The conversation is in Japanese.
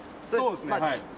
そうですねはい。